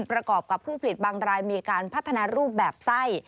ประกอบกับผู้ผลิตบางรายมีการพัฒนารูปแบบไส้